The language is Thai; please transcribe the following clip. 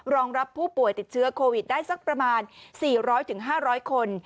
รองรับผู้ป่วยติดเชื้อโควิดได้สักประมาณ๔๐๐๕๐๐คน